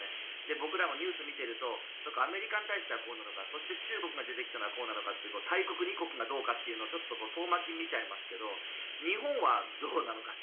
僕らもニュースを見ているとアメリカに対してはこうなのか中国が出てきたらこうなのかって大国２国がどうなのかって遠巻きに見ちゃいますけど日本はどうなのかと。